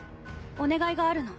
お願いがあるの。